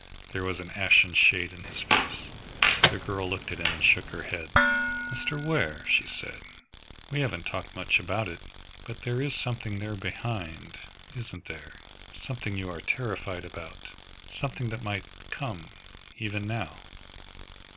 There was an ashen shade in his face. The girl looked at him and shook her head. "Mr. Ware," she said, "we haven't talked much about it, but there is something there behind, isn't there, something you are terrified about, something that might come, even now?"